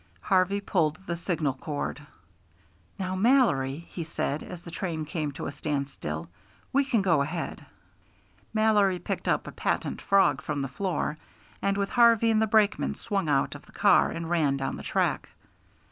Harvey pulled the signal cord. "Now, Mallory," he said, as the train came to a standstill, "we can go ahead." Mallory picked up a patent frog from the floor, and with Harvey and the brakeman swung out of the car and ran down the track.